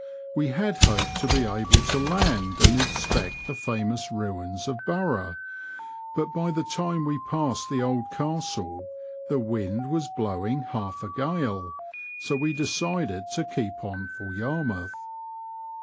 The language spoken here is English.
We had hoped to be able to land and inspect the famous ruins of Burgh, but by the time we passed the old Castle the wind was blowing half a gale ; so we decided to keep on fpr Yarmouth.